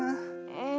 うん。